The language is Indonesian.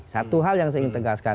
satu hal yang saya ingin tegaskan